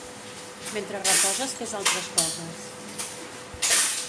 Mentre reposes fes altres coses.